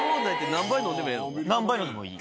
何杯飲んでもいい。